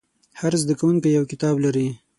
هر زده کوونکی یو کتاب لري.